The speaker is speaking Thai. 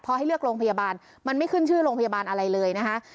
พอให้เลือกโรงพยาบาลมันไม่ขึ้นชื่อโรงพยาบาลอะไรเลยนะคะ